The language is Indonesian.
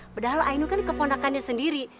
padahal ainu kan keponakannya sendiri